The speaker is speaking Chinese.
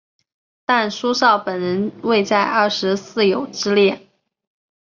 但苏绍本人未在二十四友之列。